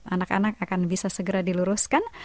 anak anak akan bisa segera diluruskan